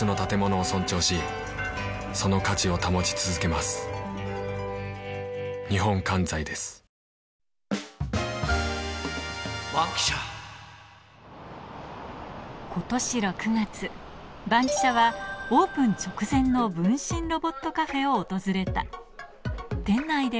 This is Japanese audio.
まさかカフェの仕事が、ことし６月、バンキシャはオープン直前の分身ロボットカフェを訪れた。